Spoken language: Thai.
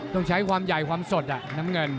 ต้องใช้ความใหญ่ความสดน้ำเงิน